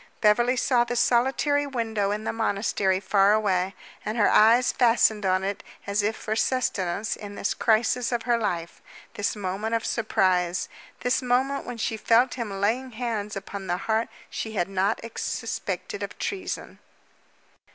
Beverly saw the solitary window in the monastery far away, and her eyes fastened on it as if for sustenance in this crisis of her life this moment of surprise this moment when she felt him laying hands upon the heart she had not suspected of treason.